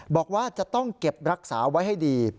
บอกว่าจะต้องเก็บรักษาไว้ให้ดี